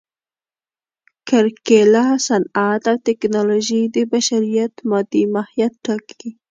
کرکېله، صنعت او ټکنالوژي د بشریت مادي ماهیت ټاکي.